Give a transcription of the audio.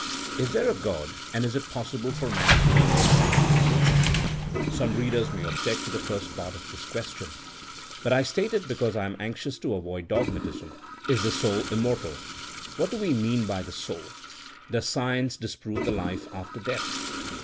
Is there a God a/nd is it possible for man to learn anything of His nature? Some readers may object to the first part of this question. But I state it because I am anxious to avoid dogmatism. Is the soul immortal? What do we mean by the soult Does science disprove the life after death?